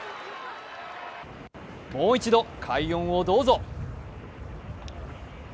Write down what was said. もう一度、快音をどうぞ。